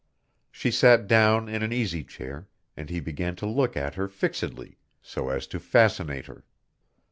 She sat down in an easy chair, and he began to look at her fixedly, so as to fascinate her.